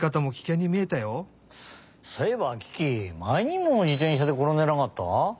そういえばキキまえにも自転車でころんでなかった？